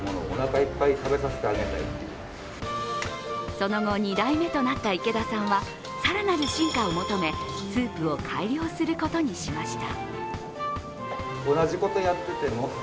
その後、２代目となった池田さんは更なる進化を求めスープを改良することにしました。